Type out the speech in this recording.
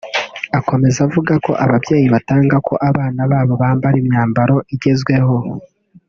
Akomeza avuga ko ababyeyi batanga ko abana babo bambara imyambaro igezweho